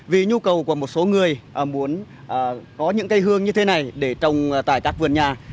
vì nhu cầu của một số người muốn có những cây hương như thế này để trồng tại các vườn nhà